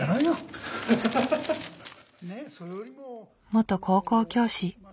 元高校教師。